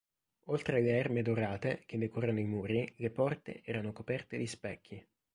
Oltre alle erme dorate che decorano i muri, le porte erano coperte di specchi.